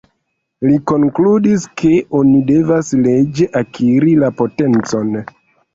Li konkludis, ke oni devas leĝe akiri la potencon.